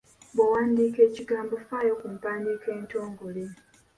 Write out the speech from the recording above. Bw’owandiika ekigambo faayo ku mpandiika entongole.